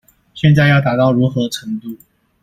現在要達到如何程度